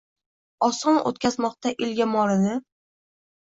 Oson o’tkazmoqda elga molini.